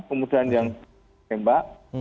kemudian yang tembak